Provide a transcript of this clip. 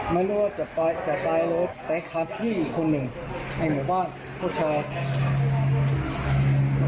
ไม่รู้ว่าจะตายเลยแต่ขาดที่อีกคนหนึ่งไอ้หมู่บ้านผู้ชาย